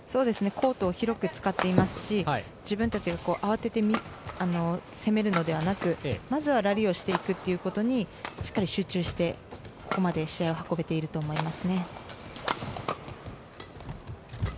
コートを広く使っていますし自分たちが慌てて攻めるのではなくまずはラリーしていくということにしっかり集中してここまで試合を運べていると思います。